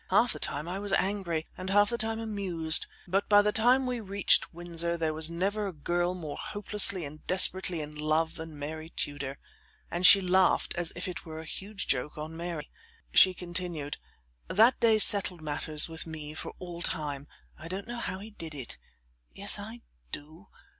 Half the time I was angry and half the time amused, but by the time we reached Windsor there never was a girl more hopelessly and desperately in love than Mary Tudor." And she laughed as if it were a huge joke on Mary. She continued: "That day settled matters with me for all time. I don't know how he did it. Yes I do...."